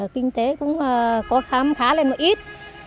kinh tế cũng khám khá lên một ít